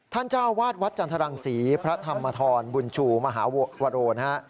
เจ้าวาดวัดจันทรังศรีพระธรรมธรบุญชูมหาวโรนะฮะ